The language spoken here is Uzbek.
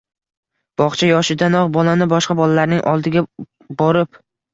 Bog‘cha yoshidanoq bolani boshqa bolalarning oldiga borib